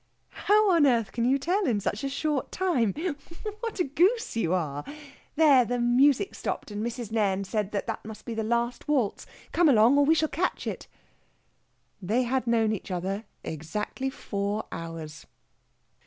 "How on earth can you tell, in such a short time? What a goose you are!... There! the music's stopped, and Mrs. Nairn said that must be the last waltz. Come along, or we shall catch it." They had known each other exactly four hours!